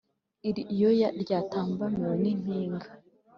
Iyo ryatambamiwe nimpinga